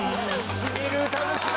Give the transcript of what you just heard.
しみる歌ですね